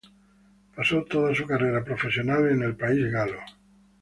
Pasó toda su carrera profesional en el país galo.